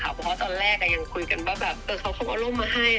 เพราะว่าตอนแรกยังคุยกันว่าแบบเขาก็เอาร่มมาให้